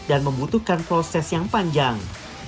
dan membutuhkan proses yang panjang